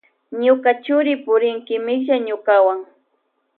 Ñuka churi purin kimilla ñukawan.